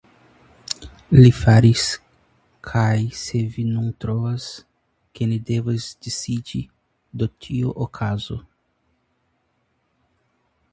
Li faris; kaj se vi nun trovas, ke ni devas disiĝi, do tio okazu.